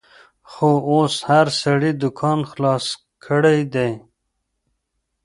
خو اوس هر سړي دوکان خلاص کړیدی